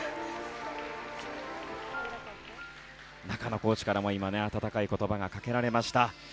中野コーチからも温かい言葉がかけられました。